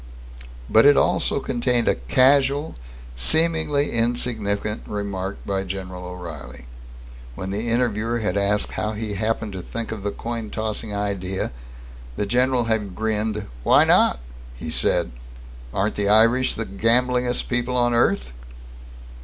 But it also contained a casual, seemingly insignificant remark by General O'Reilly. When the interviewer had asked how he happened to think of the coin tossing idea, the general had grinned. "Why not?" he said. "Aren't the Irish the gamblingest people on earth?"